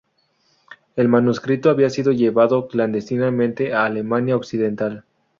El manuscrito había sido llevado clandestinamente a Alemania Occidental.